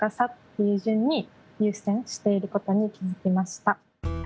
いう順に優先していることに気付きました。